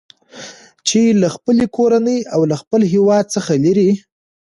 چې له خپلې کورنۍ او له خپل هیواد څخه لېرې